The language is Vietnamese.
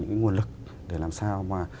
những cái nguồn lực để làm sao mà